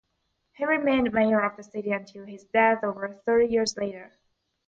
He remained mayor of the city until his death over thirty years later.